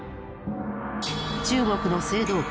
中国の青銅器。